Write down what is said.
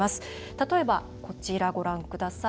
例えば、こちらご覧ください。